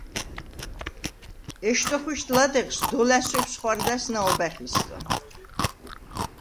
ეშდუ̂ოხუ̂იშდ ლადეღს დოლა̈სუ̂იფს ხუ̂არდა̈ს ნაუბა̈ხისგა.